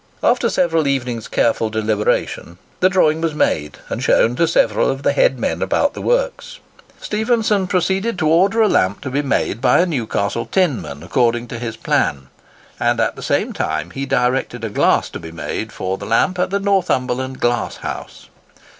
After several evenings' careful deliberations, the drawing was made, and shown to several of the head men about the works. Stephenson proceeded to order a lamp to be made by a Newcastle tinman, according to his plan; and at the same time he directed a glass to be made for the lamp at the Northumberland Glass House.